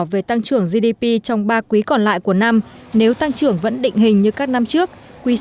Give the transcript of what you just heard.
về tăng trưởng gdp trong ba quý còn lại của năm nếu tăng trưởng vẫn định hình như các năm trước quý sau cao hơn quý trước